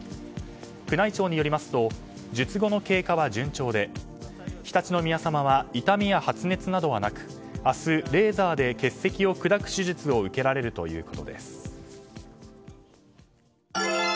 宮内庁によりますと術後の経過は順調で常陸宮さまは痛みや発熱などはなく明日、レーザーで結石を砕く手術を受けられるということです。